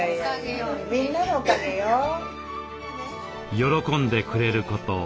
喜んでくれること